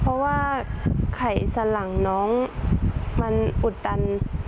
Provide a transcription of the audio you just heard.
เพราะว่าไข่สลั่งน้องมันอุดตัน